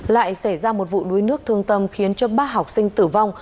lại xảy ra một vụ đuối nước thương tâm khiến cho ba học sinh tử vong